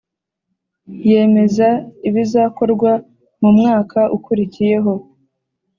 yemeza ibizakorwa mu mwaka ukurikiyeho.